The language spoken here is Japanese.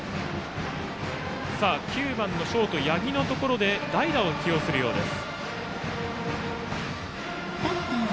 ９番のショート、八木のところで代打を起用するようです。